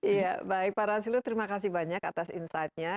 iya baik pak rasilo terima kasih banyak atas insightnya